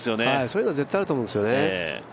そういうのは絶対あると思うんですよね。